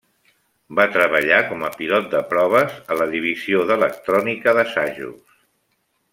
Va treballar com a pilot de proves a la Divisió d'Electrònica d'Assajos.